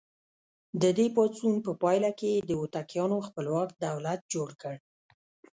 د دې پاڅون په پایله کې یې د هوتکیانو خپلواک دولت جوړ کړ.